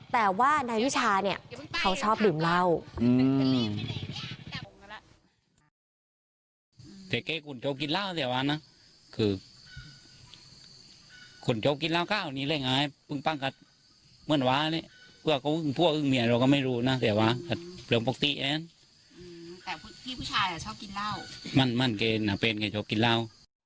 แต่ว่านายวิชาเนี่ยเขาชอบดื่มเหล้า